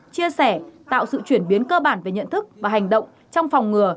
chia sẻ tạo sự chuyển biến cơ bản về nhận thức và hành động trong phòng ngừa